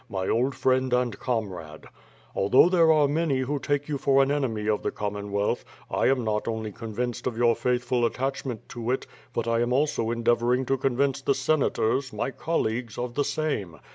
My old friend and comrade: "Although there are many who take you for an enemy of the Commonwealth, I am not only convinced of your faithful attachment to it, but I am also endeavoring to convince the Senators, my colleagues, of the same.